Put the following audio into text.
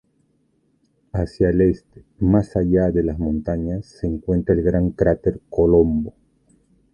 Hacia el este, más allá de las montañas, se encuentra el gran cráter Colombo.